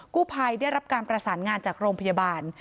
ผู้ภัยได้รับการประสานงานจากโรงพยาบาล